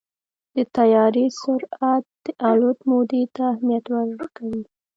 د طیارې سرعت د الوت مودې ته اهمیت ورکوي.